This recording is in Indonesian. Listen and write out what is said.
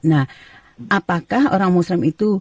nah apakah orang muslim itu